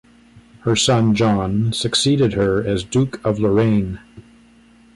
Her son John succeeded her as Duke of Lorraine.